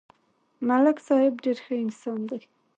ملک صاحب ډېر ښه انسان دی